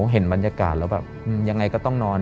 เห็นบรรยากาศแล้วแบบยังไงก็ต้องนอน